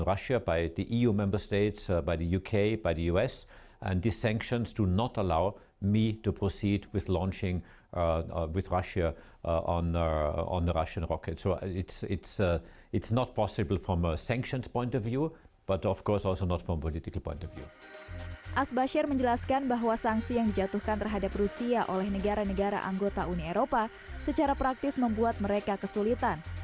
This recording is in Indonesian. asbasher menjelaskan bahwa sanksi yang dijatuhkan terhadap rusia oleh negara negara anggota uni eropa secara praktis membuat mereka kesulitan